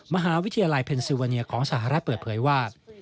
มหาวิทยาลัยเพนซิวาเนียของสหรัฐเปิดเผยว่า